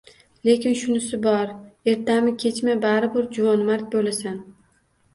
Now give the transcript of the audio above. Lekin shunisi borki, ertami-kechmi, baribir juvonmarg bo`lasan